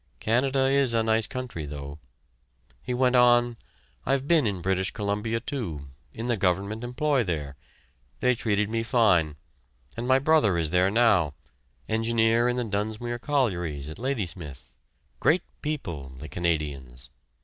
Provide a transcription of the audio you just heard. Canada is a nice country, though," he went on; "I've been in British Columbia, too, in the Government employ there they treated me fine and my brother is there now, engineer in the Dunsmuir Collieries at Ladysmith. Great people the Canadians!"